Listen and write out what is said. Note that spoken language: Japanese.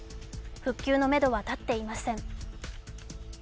復旧のめどは立っていません。